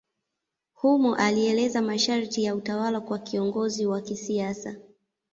Humo alieleza masharti ya utawala kwa kiongozi wa kisiasa.